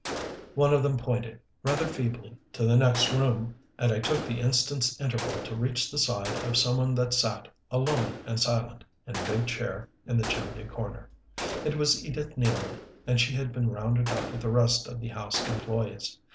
One of them pointed, rather feebly, to the next room. And I took the instant's interval to reach the side of some one that sat, alone and silent, in a big chair in the chimney corner. It was Edith Nealman, and she had been rounded up with the rest of the house employees.